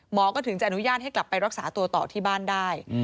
ก็ถึงจะอนุญาตให้กลับไปรักษาตัวต่อที่บ้านได้